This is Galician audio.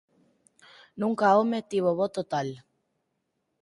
Nunca home tivo voto tal.